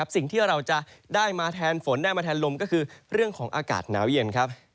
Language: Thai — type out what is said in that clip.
สิ่งที่เราจะได้มาแทนฝนได้มาแทนลมก็คือเรื่องของอากาศหนาวเย็นครับ